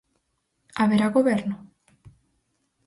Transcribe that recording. Haberá Goberno?